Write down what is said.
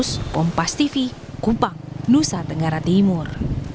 terus pompas tv kupang nusa tenggara timur